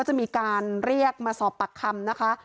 จะมีการเรียกมาสอบปากคำนะคะ